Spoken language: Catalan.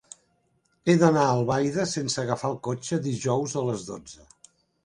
He d'anar a Albaida sense agafar el cotxe dijous a les dotze.